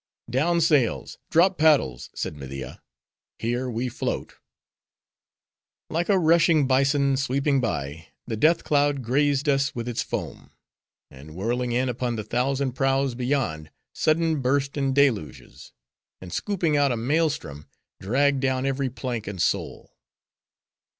"Down sails: drop paddles," said Media: "here we float." Like a rushing bison, sweeping by, the Death cloud grazed us with its foam; and whirling in upon the thousand prows beyond, sudden burst in deluges; and scooping out a maelstrom, dragged down every plank and soul.